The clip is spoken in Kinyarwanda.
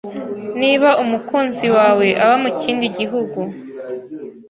Niba umukunzi wawe aba mu kindi gihugu